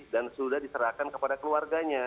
dan sudah diserahkan kepada keluarganya